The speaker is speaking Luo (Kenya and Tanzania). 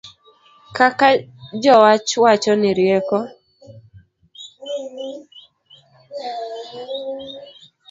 Kaka jowach wacho ni rieko